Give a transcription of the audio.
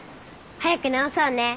早く直そうね。